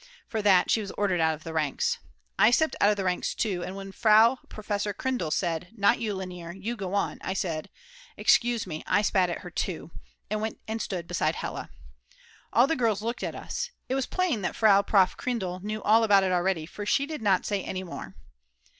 For that she was ordered out of the ranks. I stepped out of the ranks too, and when Frau Professor Kreindl said: "Not you, Lainer, you go on," I said: "Excuse me, I spat at her too," and went and stood beside Hella. All the girls looked at us. It was plain that Frau Prof. Kreindl knew all about it already for she did not say any more.